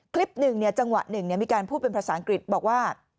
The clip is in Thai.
คลิปหนึ่งจังหวะหนึ่งมีการพูดเป็นภาษาอังกฤษบอกว่า